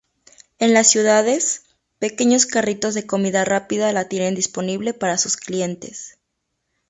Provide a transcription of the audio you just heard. En las ciudades, pequeños carritos de comida rápida la tienen disponible para sus clientes.